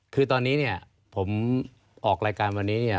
คือตอนนี้เนี่ยผมออกรายการวันนี้เนี่ย